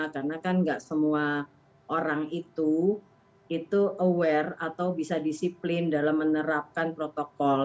karena kan enggak semua orang itu aware atau bisa disiplin dalam menerapkan protokol